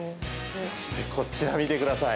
そして、こちら見てください。